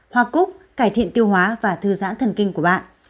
hoa cúc cải thiện tiêu hóa và thư giãn thần kinh của bạn